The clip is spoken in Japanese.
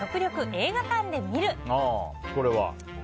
これは？